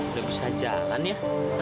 udah bisa jalan ya